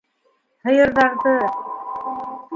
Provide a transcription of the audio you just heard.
Һыйырҙарҙы...